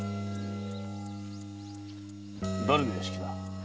だれの屋敷だ？